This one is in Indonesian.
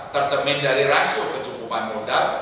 tercermin dari rasio kecukupan modal